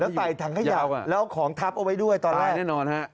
แล้วใส่ถักขยะแล้วเอาของทับเอาไว้ด้วยตอนแรก